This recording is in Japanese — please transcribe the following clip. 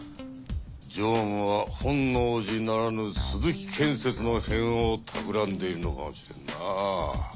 常務は本能寺ならぬ鈴木建設の変をたくらんでいるのかもしれんな。